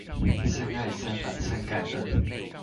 三愛、三反、三感恩